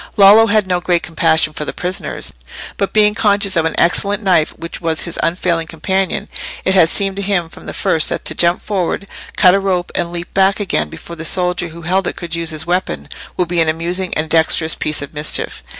Lollo had no great compassion for the prisoners, but being conscious of an excellent knife which was his unfailing companion, it had seemed to him from the first that to jump forward, cut a rope, and leap back again before the soldier who held it could use his weapon, would be an amusing and dexterous piece of mischief.